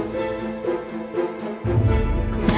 terima kasih pak